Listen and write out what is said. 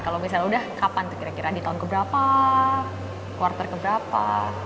kalau misalnya udah kapan tuh kira kira di tahun keberapa quarter keberapa